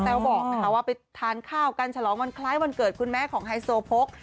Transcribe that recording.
บอกนะคะว่าไปทานข้าวกันฉลองวันคล้ายวันเกิดคุณแม่ของไฮโซโพก